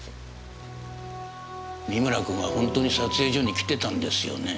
三村君は本当に撮影所に来てたんですよね？